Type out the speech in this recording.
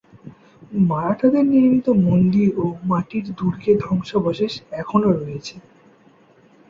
মারাঠাদের নির্মিত মন্দির ও মাটির দুর্গের ধ্বংসাবশেষ এখনও রয়েছে।